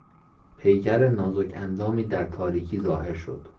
پیکر نازک اندامی در تاریکی ظاهر شد.